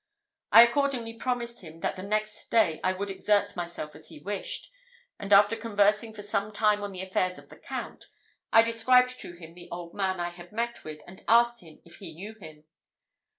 I accordingly promised him that the next day I would exert myself as he wished; and, after conversing for some time on the affairs of the Count, I described to him the old man I had met with, and asked him if he knew him.